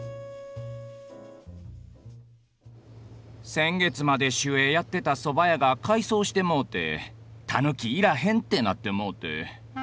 先月まで守衛やってたそば屋が改装してもうて「たぬきいらへん」ってなってもうて。